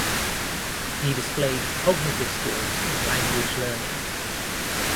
He displayed Cognitive skills in language learning.